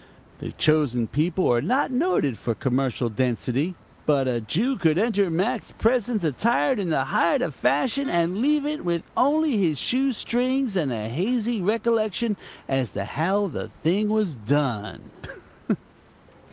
The Chosen People are not noted for commercial density; but a Jew could enter Mac's presence attired in the height of fashion and leave it with only his shoe strings and a hazy recollection as to how the thing was done.